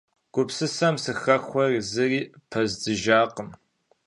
Гупсысэм сыхэхуэри зыри пэздзыжакъым.